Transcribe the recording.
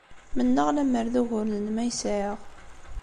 Mennaɣ lemmer d uguren-nnem ay sɛiɣ.